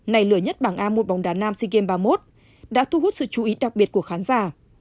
này lửa nhất bảng a mua bóng đá nam sea games ba mươi một đã thu hút sự chú ý đặc biệt của khán giả